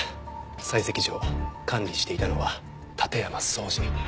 採石場を管理していたのは館山荘司。